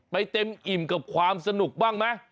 เต็มอิ่มกับความสนุกบ้างไหม